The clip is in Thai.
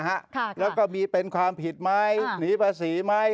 ค่ะแล้วก็มีเป็นความผิดไหมหนีประสิทธิ์ไหม